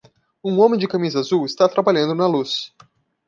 O homem de camisa azul está trabalhando na luz.